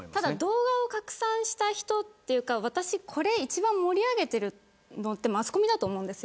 動画を拡散した人というかこれを一番盛り上げているのってマスコミだと思うんです。